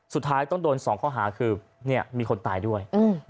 สุดท้ายต้องโดน๒ข้อหาคือมีคนตายด้วย